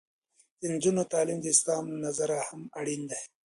د نجونو تعلیم د اسلام له نظره هم اړین دی.